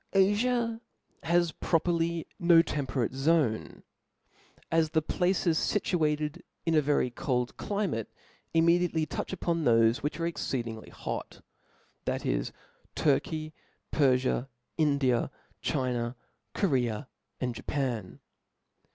Afia has properly nq temperate zoni:, as the places fituated in ^ yery cqld climate immediately touch upon thofe which are exceeding hot, that is Turky^ jpierfia, India^ China, Cprea| and Japan.